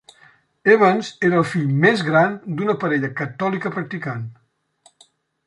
Evans era el fill més gran d'una parella catòlica practicant.